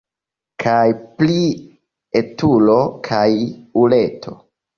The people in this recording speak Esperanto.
Kaj pri etulo kaj uleto..